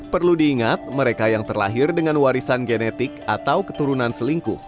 perlu diingat mereka yang terlahir dengan warisan genetik atau keturunan selingkuh